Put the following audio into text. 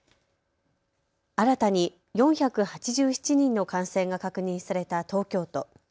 新たに４８７人の感染が確認された東京都。